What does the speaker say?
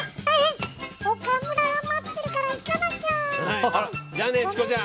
岡村が待ってるから行かなきゃ！